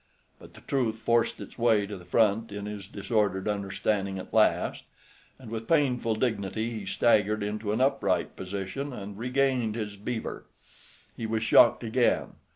But the truth forced its way to the front in his disordered understanding at last, and with painful dignity he staggered into an upright position, and regained his beaver. He was shocked again.